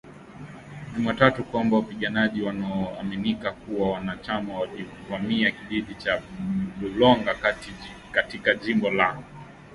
Jumatatu kwamba wapiganaji wanaoaminika kuwa wanachama walivamia kijiji cha Bulongo katika jimbo la Kivu kaskazini,